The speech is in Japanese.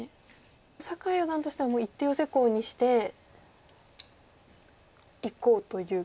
酒井四段としてはもう１手ヨセコウにしていこうということですか。